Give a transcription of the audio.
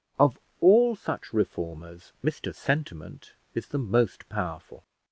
Of all such reformers Mr Sentiment is the most powerful.